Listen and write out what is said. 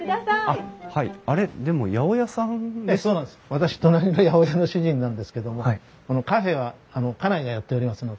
私隣の八百屋の主人なんですけどもこのカフェは家内がやっておりますので。